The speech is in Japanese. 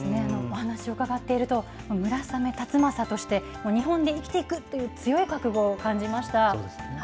お話を伺っていると、村雨辰剛として、日本で生きていくっていう強い覚悟を感じました。